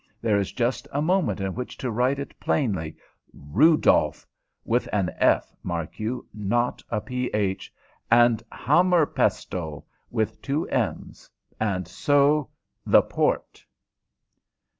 There is just a moment in which to write it plainly RUDOLF with an F, mark you, not a PH, and HAMMERPESTLE with two M's. And so the port....